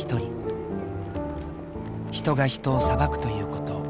人が人を裁くということ。